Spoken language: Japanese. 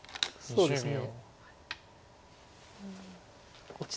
そうですね。